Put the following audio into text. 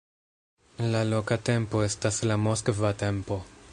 La loka tempo estas la moskva tempo.